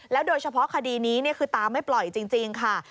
โดยเฉพาะคดีนี้คือตาไม่ปล่อยจริงค่ะ